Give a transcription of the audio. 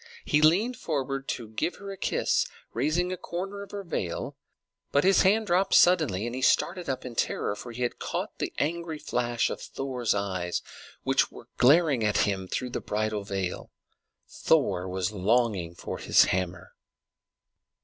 He leaned forward to give her a kiss, raising a corner of her veil; but his hand dropped suddenly, and he started up in terror, for he had caught the angry flash of Thor's eye, which was glaring at him through the bridal veil. Thor was longing for his hammer.